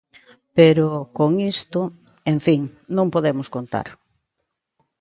Pero, con isto, en fin, non podemos contar.